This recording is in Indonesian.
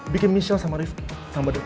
bikin michelle sama rifki tambah deh